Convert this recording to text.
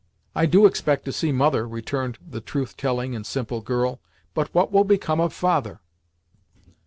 "I do expect to see mother," returned the truth telling and simple girl, "but what will become of father?"